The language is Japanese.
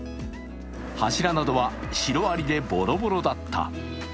柱などはシロアリでボロボロだった。